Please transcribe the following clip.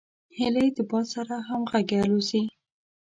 هیلۍ د باد سره همغږي الوزي